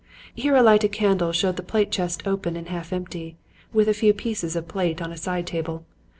Here a lighted candle showed the plate chest open and half empty, with a few pieces of plate on a side table.